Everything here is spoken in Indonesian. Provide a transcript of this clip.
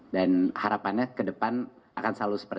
dan harapannya ke depan akan selalu sempurna dan akan selalu sempurna